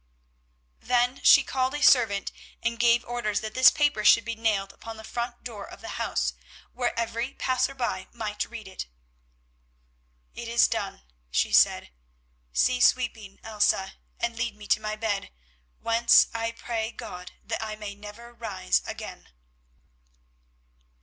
Then she called a servant and gave orders that this paper should be nailed upon the front door of the house where every passer by might read it. "It is done," she said. "Cease weeping, Elsa, and lead me to my bed, whence I pray God that I may never rise again."